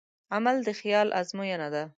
عمل د خیال ازموینه ده.